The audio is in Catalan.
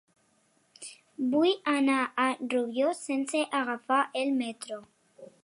Vull anar a Rubió sense agafar el metro.